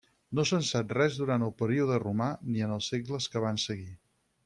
No se'n sap res durant el període romà ni en els segles que van seguir.